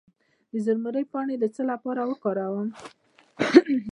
د روزمیری پاڼې د څه لپاره وکاروم؟